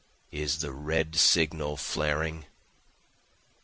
is the red signal flaring?)